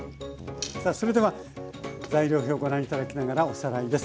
さあそれでは材料表ご覧頂きながらおさらいです。